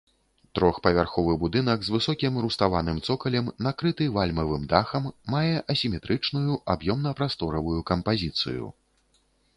Трохпавярховы будынак з высокім руставаным цокалем, накрыты вальмавым дахам, мае асіметрычную аб'ёмна-прасторавую кампазіцыю.